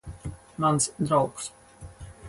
Mans draugs.